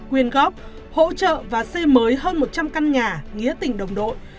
quyên góp hỗ trợ và xây mới hơn một trăm linh căn nhà nghĩa tình đồng đội